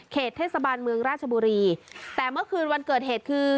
เทศบาลเมืองราชบุรีแต่เมื่อคืนวันเกิดเหตุคือ